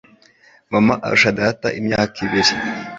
Mama arusha data imyaka ibiri